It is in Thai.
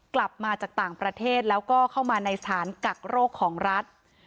กลับมาจากต่างประเทศแล้วก็เข้ามาในสถานกักโรคของรัฐ